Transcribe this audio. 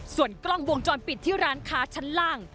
ส่วนกล้องวงจรปิดที่ร้านค้าชั้นล่าง